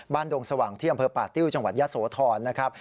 บ้านดงสว่างเที่ยมบป่าติ้วจังหวัดยัตรย์โสธรนะครับ